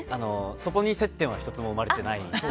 そこに接点は１つも生まれてない。